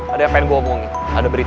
ada yang pengen gue omongin ada berita